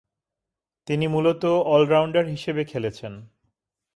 তিনি মূলতঃ অল-রাউন্ডার হিসেবে খেলেছেন।